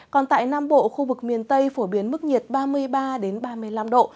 còn tại nam bộ khu vực miền tây phổ biến mức nhiệt ba mươi ba ba mươi năm độ